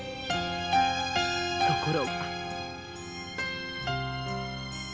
ところが。